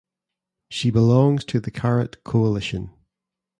She belongs to the Karat Coalition.